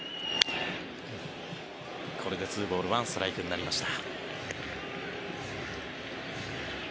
これで２ボール１ストライクになりました。